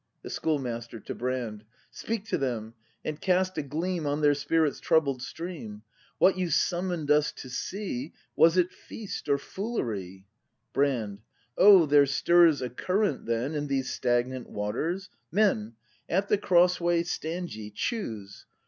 The Schoolmaster. [To Brand.] Speak to them, and cast a gleam On their spirits' troubled stream! What you summon'd us to see. Was it Feast or foolery ? Brand. O, there stirs a current, then. In these stagnant waters. — Men, At the crossway stand ye: choose!